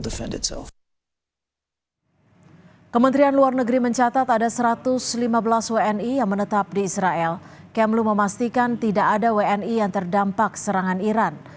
kementerian luar negeri mencatat ada satu ratus empat belas wni yang terdampak serangan iran